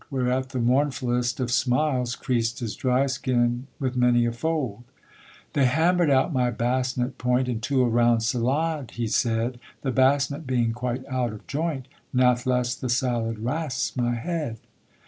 Whereat the mournfullest of smiles Creased his dry skin with many a fold. They hammer'd out my basnet point Into a round salade, he said, The basnet being quite out of joint, Natheless the salade rasps my head.